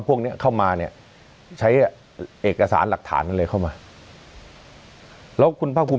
พวกเนี้ยเข้ามาเนี้ยใช้เอกสารหลักฐานกันเลยเข้ามาแล้วคุณภาพคุม